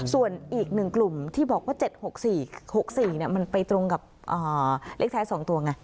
ส่วนอีก๑กลุ่มที่บอกว่า๗๖๔๖๔มันไปตรงกับเลขท้าย๒ตัวไง